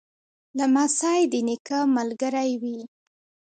لمسی د نیکه ملګری وي.